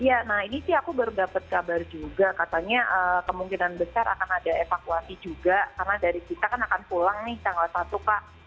iya nah ini sih aku baru dapat kabar juga katanya kemungkinan besar akan ada evakuasi juga karena dari kita kan akan pulang nih tanggal satu kak